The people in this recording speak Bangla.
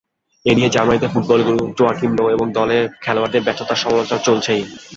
এ নিয়ে জার্মানিতে ফুটবলগুরু জোয়াকিম লোর এবং দলের খেলোয়াড়দের ব্যর্থতার সমালোচনা চলছেই।